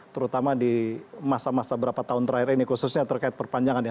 terutama di masa masa berapa tahun terakhir ini khususnya terkait perpanjangan ya